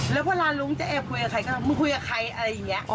แล้วเวลาลุงจะแอบคุยกับใครก็มึงคุยกับใครอะไรอย่างนี้